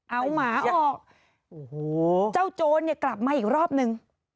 เอาหมาออกโอ้โหเจ้าโจรเนี่ยกลับมาอีกรอบนึง